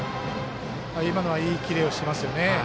今のはいいキレをしていますよね。